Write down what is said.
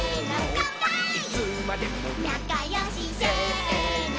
「なかよし」「せーの」